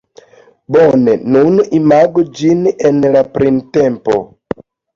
Bone, nun imagu ĝin en la printempo.